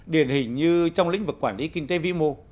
điển hình như trong lĩnh vực quản lý kinh tế vĩ mô